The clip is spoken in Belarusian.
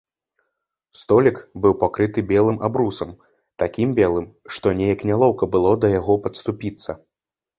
Столік быў пакрыты белым абрусам, такім белым, што неяк нялоўка было да яго падступіцца.